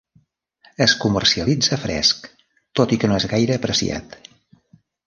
Es comercialitza fresc, tot i que no és gaire apreciat.